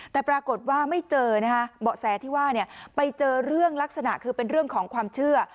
แต่ปรากฏว่าไม่เจอนะฮะเบาะแสที่ว่าไปเจอเรื่องลักษณะคือเป็นเรื่องของความเชื่อ